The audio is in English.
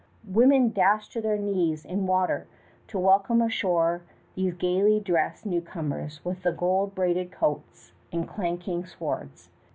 Women dashed to their knees in water to welcome ashore these gayly dressed newcomers with the gold braided coats and clanking swords.